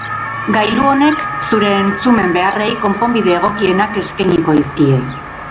Gailu honek zure entzumen beharrei konponbide egokienak eskainiko dizkie.